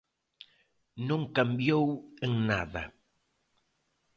Non cambiou en nada.